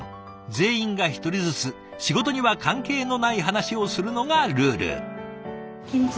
全員が１人ずつ仕事には関係のない話をするのがルール。